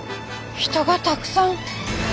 人がたくさん。